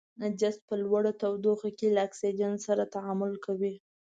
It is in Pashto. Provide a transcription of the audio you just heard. جست په لوړه تودوخه کې له اکسیجن سره تعامل کوي.